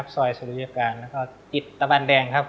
ซอยสุริยาการกปติดตาบันแดง